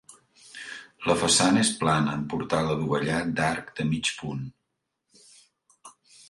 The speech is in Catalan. La façana és plana amb portal adovellat d'arc de mig punt.